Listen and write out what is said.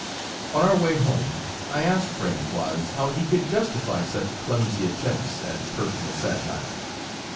On our way home, I asked friend Quoz, how he could justify such clum sy attempts at personal satire.